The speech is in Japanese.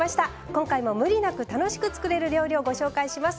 今回もムリなく楽しく作れる料理をご紹介します。